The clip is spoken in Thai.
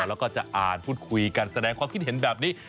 แล้วก็จะอ่านพูดคุยกันแสดงความคิดเห็นแบบนี้